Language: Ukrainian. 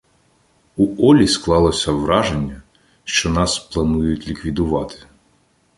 У Олі склалося враження, що нас планують "ліквідувати".